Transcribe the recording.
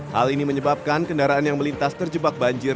hal ini menyebabkan kendaraan yang melintas terjebak banjir